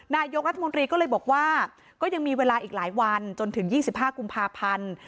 นายกรัฐมนตรีก็เลยบอกว่าก็ยังมีเวลาอีกหลายวันจนถึง๒๕กุมภาพันธ์